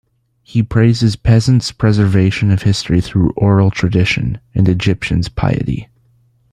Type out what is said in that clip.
He praises peasants' preservation of history through oral tradition, and Egyptians' piety.